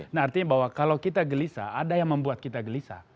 nah artinya bahwa kalau kita gelisah ada yang membuat kita gelisah